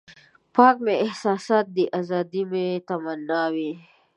پاک مې احساسات دي ازادي مې تمنا وي.